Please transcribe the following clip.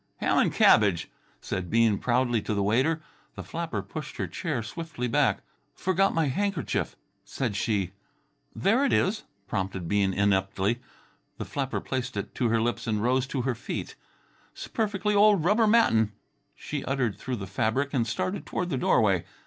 "Ham and cabbage!" said Bean proudly to the waiter. The flapper pushed her chair swiftly back. "Forgot my handkerchief," said she. "There it is," prompted Bean ineptly. The flapper placed it to her lips and rose to her feet. "'S perfe'ly old rubber mattin'," she uttered through the fabric, and started toward the doorway.